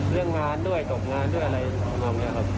เรื่องงานด้วยตกงานด้วยอะไรประมาณนี้ครับ